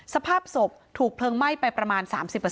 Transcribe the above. สภาพศพถูกเพลิงไหม้ไปประมาณ๓๐